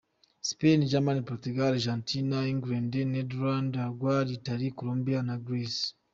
Spain, Germany, Portugal, Argentina, England, Netherland, Urguay, Italy, Colombia na Grecce.